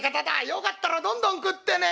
よかったらどんどん食ってね」。